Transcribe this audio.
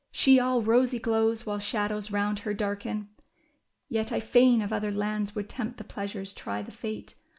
She all rosy glows while shad ows round her darken ! Yet I fain of other lands would tempt the pleasures, try the fate.